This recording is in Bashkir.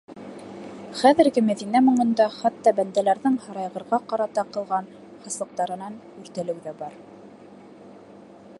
Хәҙерге Мәҙинә моңонда хатта бәндәләрҙең һарайғырға ҡарата ҡылған хаслыҡтарынан үртәлеү ҙә бар...